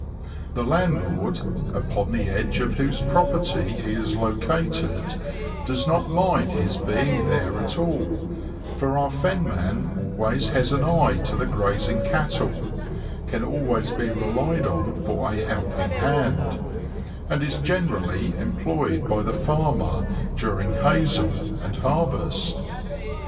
The landlord, upon the edge of whose property he is located, does not mind his being there at all, for our fenman always has an eye to the grazing cattle, can always be relied on for a helping hand, and is generally em ployed by the farmer during " haysel " and harvest.